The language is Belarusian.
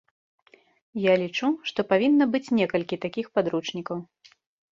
Я лічу, што павінна быць некалькі такіх падручнікаў.